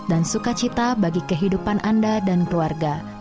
dan sukacita bagi kehidupan anda dan keluarga